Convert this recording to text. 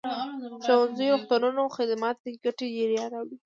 ښوونځيو روغتونونو خدمات ګټې جريان راوړي.